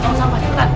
tolong sampah cepetan